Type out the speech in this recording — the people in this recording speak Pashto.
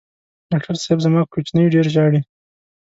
ډاکټر صېب زما کوچینی ډېر ژاړي